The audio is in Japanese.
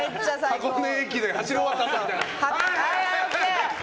箱根駅伝走り終わったあとみたい。